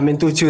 dan itu yang